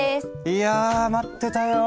いや待ってたよ！